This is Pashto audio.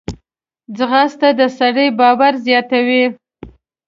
ځغاسته د سړي باور زیاتوي